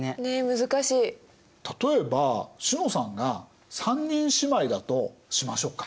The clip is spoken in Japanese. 例えば詩乃さんが３人姉妹だとしましょうか？